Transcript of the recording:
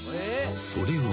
それは］